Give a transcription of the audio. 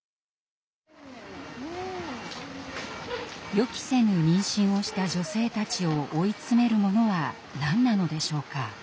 予期せぬ妊娠をした女性たちを追い詰めるものは何なのでしょうか。